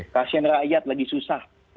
kasian rakyat lagi susah